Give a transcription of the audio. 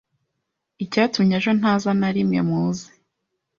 Icyatumye ejo ntaza nari muze